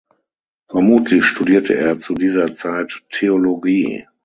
Vermutlich studierte er zu dieser Zeit Theologie.